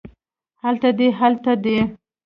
هلته دی هلته دي